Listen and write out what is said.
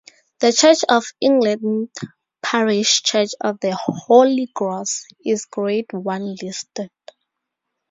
The Church of England parish church of the Holy Cross is Grade One listed.